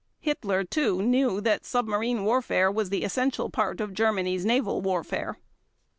Hitler, too, knew that submarine warfare was the essential part of Germany's naval warfare.